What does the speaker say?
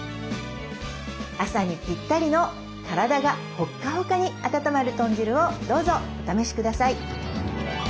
朝にピッタリの体がホッカホカに温まる豚汁をどうぞお試しください。